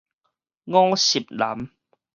五十嵐